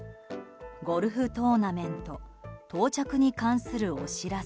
「ゴルフトーナメント到着に関するお知らせ」。